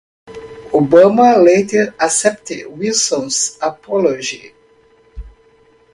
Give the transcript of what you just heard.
Obama later accepted Wilson's apology.